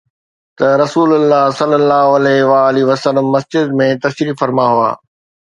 ته رسول الله صلي الله عليه وآله وسلم مسجد ۾ تشریف فرما هئا